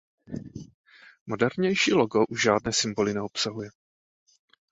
Modernější logo už žádné symboly neobsahuje.